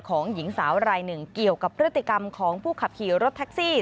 หญิงสาวรายหนึ่งเกี่ยวกับพฤติกรรมของผู้ขับขี่รถแท็กซี่